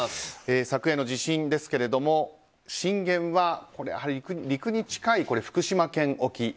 昨夜の地震ですけれども震源は、やはり陸に近い福島県沖。